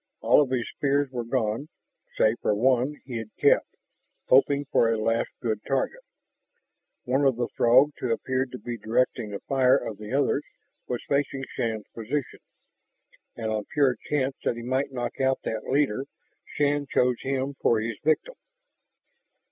All of his spears were gone, save for one he had kept, hoping for a last good target. One of the Throgs who appeared to be directing the fire of the others was facing Shann's position. And on pure chance that he might knock out that leader, Shann chose him for his victim.